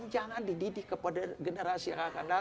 jangan dididik kepada generasi yang akan datang